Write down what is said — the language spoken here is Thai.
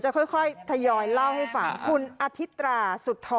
จะค่อยทยอยเล่าโชคฟรานซับ